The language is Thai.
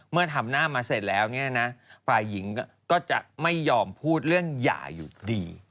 เมื่อทำหน้ามาเสร็จแล้วเนี่ยนะฝ่ายหญิงก็จะไม่ยอมพูดเรื่องหย่าอยู่ดี